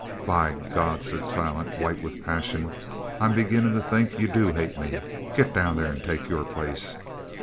"By God," said Silent, white with passion, "I'm beginnin' to think you do hate me! Git down there an' take your place.